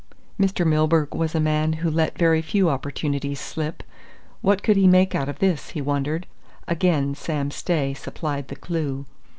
Mr. Milburgh was a man who let very few opportunities slip. What could he make out of this, he wondered? Again Sam Stay supplied the clue.